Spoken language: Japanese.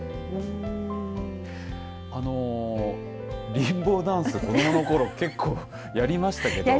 リンボーダンス子どものころ結構やりましたけど。